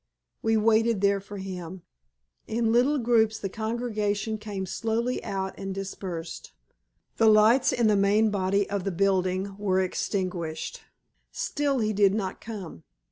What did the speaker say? We waited there for him. In little groups the congregation came slowly out and dispersed. The lights in the main body of the building were extinguished. Still he did not come.